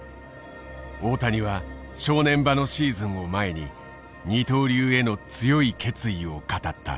大谷は正念場のシーズンを前に二刀流への強い決意を語った。